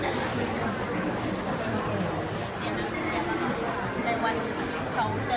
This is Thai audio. ในวันที่นะผมเกิดเชื่อนานครับ